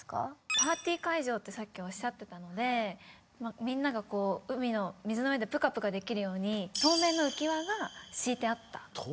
パーティー会場ってさっきおっしゃってたのでみんながこう水の上でプカプカできるように透明の浮き輪？